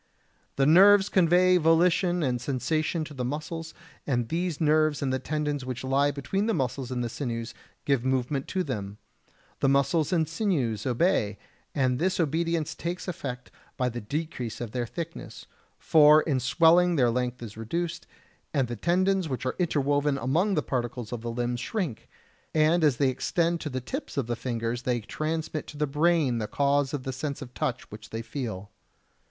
The nerves convey volition and sensation to the muscles, and these nerves and the tendons which lie between the muscles and the sinews give movement to them; the muscles and sinews obey, and this obedience takes effect by the decrease of their thickness, for in swelling their length is reduced, and the tendons which are interwoven among the particles of the limbs shrink, and as they extend to the tips of the fingers they transmit to the brain the cause of the sense of touch which they feel.